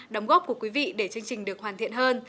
đóng góp của quý vị để chương trình được hoàn thiện hơn